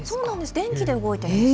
電気で動いてるんです。